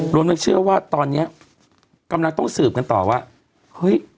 รวมทั้งเชื่อว่าตอนเนี้ยกำลังต้องสืบกันต่อว่าเฮ้ย